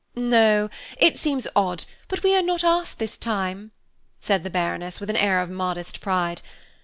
"No; it seems odd, but we are not asked this time," said the Baroness with an air of modest pride.